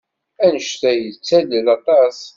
Anect-a yettalel aṭas.